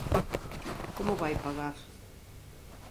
Como vai pagar?